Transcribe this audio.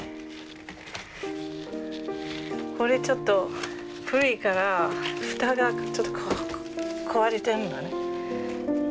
これちょっと古いから蓋がちょっと壊れてるのね。